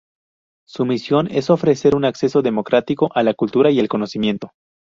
Su misión es ofrecer un acceso democrático a la cultura y el conocimiento.